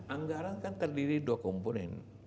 anggaran kan terdiri dua komponen